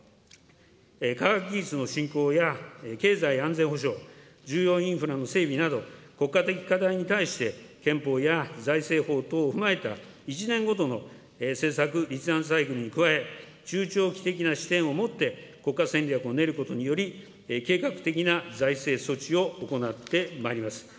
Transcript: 科学技術の振興や、経済安全保障、重要インフラの整備など、国家的課題に対して、憲法や財政法等を踏まえた１年ごとの政策立案サイクルに加え、中長期的な視点を持って、国家戦略を練ることにより、計画的な財政措置を行ってまいります。